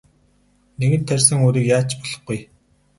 Нэгэнт тарьсан үрийг яаж ч болохгүй.